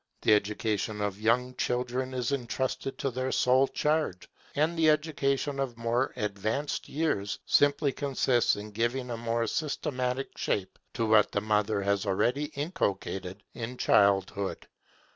The education of young children is entrusted to their sole charge; and the education of more advanced years simply consists in giving a more systematic shape to what the mother has already inculcated in childhood.